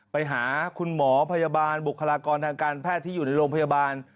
ไปหาคุณหมอพยาบาลบุคลากรทางการแพทย์ที่อยู่ในโรงพยาบาล